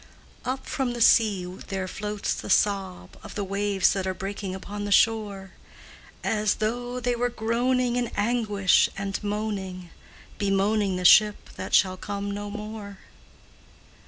Up from the sea there floats the sob Of the waves that are breaking upon the shore, As though they were groaning in anguish, and moaning Bemoaning the ship that shall come no more.